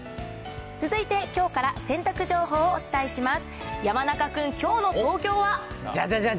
続いてきょうから洗濯情報をお伝えします。